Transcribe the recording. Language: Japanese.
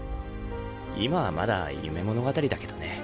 今はまだ夢物語だけどね